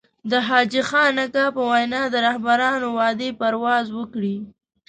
د حاجي خان اکا په وينا د رهبرانو وعدې پرواز وکړي.